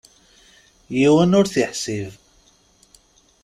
Yiwen ur t-iḥsib.